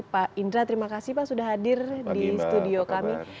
pak indra terima kasih pak sudah hadir di studio kami